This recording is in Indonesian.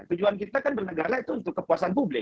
tujuan kita kan bernegara itu untuk kepuasan publik